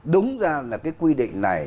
đúng ra là cái quy định này